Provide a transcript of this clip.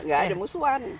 gak ada musuhan